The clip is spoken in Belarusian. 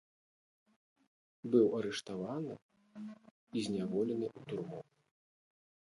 Быў арыштаваны і зняволены ў турму.